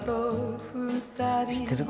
知ってる？